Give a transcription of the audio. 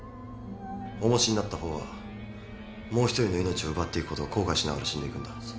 重しになった方はもう１人の命を奪っていくことを後悔しながら死んでいくんだ。